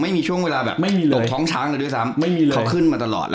ไม่มีช่วงเวลาแบบตกท้องช้างเลยด้วยซ้ำเขาขึ้นมาตลอด